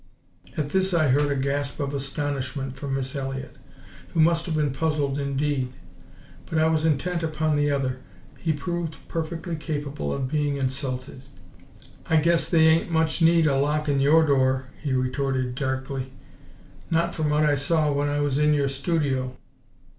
At this I heard a gasp of astonishment from Miss Elliott, who must have been puzzled indeed; but I was intent upon the other. He proved perfectly capable of being insulted. "I guess they ain't much need o' lockin' YOUR door," he retorted darkly; "not from what I saw when I was in your studio!"